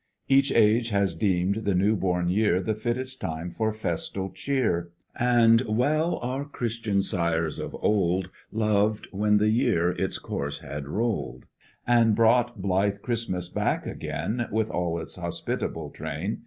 Each age has deemed the new born year The fittest time for festal cheer. And well our Christian sires of old Loved when the year its course had rolled, And brought blithe Christmas back again, With all its hospitable train.